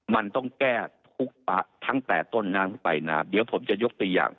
มันต้องแก้ทุกตั้งแต่ต้นน้ำขึ้นไปน้ำเดี๋ยวผมจะยกตัวอย่าง